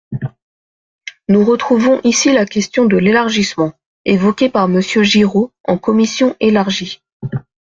Nous retrouvons ici la question de l’élargissement, évoquée par Monsieur Giraud en commission élargie.